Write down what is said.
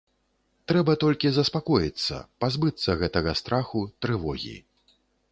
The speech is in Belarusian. Трэба толькі заспакоіцца, пазбыцца гэтага страху, трывогі.